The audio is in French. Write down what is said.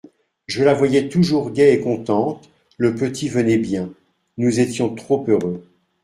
Je la voyais toujours gaie et contente, le petit venait bien ; nous étions trop heureux.